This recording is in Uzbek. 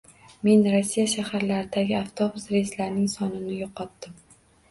Men Rossiya shaharlaridagi avtobus reyslarining sonini yo'qotdim